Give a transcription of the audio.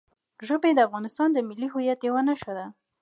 ژبې د افغانستان د ملي هویت یوه نښه ده.